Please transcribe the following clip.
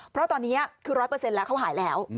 เพราะตอนนี้คือ๑๐๐แล้วเขาหายแล้ว